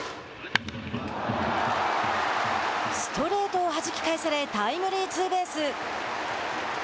ストレートをはじき返されタイムリーツーベース。